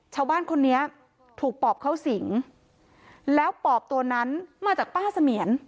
ชาวบ้านคนนี้ถูกปอบเข้าสิงแล้วปอบตัวนั้นมาจากป้าเสมียน